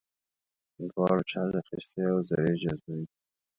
دواړو چارج اخیستی او ذرې جذبوي.